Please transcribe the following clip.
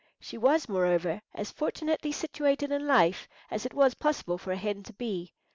She was, moreover, as fortunately situated in life as it was possible for a hen to be.